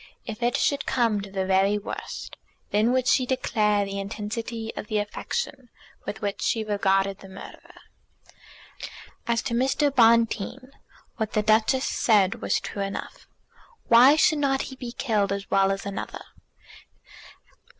If it should come to the very worst, then would she declare the intensity of the affection with which she regarded the murderer. As to Mr. Bonteen, what the Duchess said was true enough; why should not he be killed as well as another?